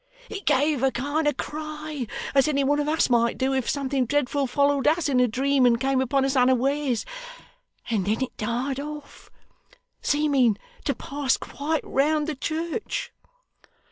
It gave a kind of cry, as any one of us might do, if something dreadful followed us in a dream, and came upon us unawares; and then it died off: seeming to pass quite round the church.